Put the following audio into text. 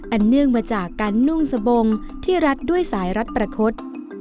เนื่องมาจากการนุ่งสบงที่รัดด้วยสายรัดประคด